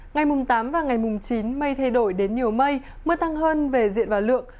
ngày mùng tám và ngày mùng chín mây thay đổi đến nhiều mây mưa tăng hơn về diện và lượng